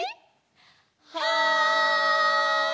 はい！